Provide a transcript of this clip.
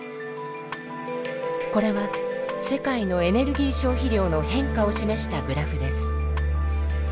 これは世界のエネルギー消費量の変化を示したグラフです。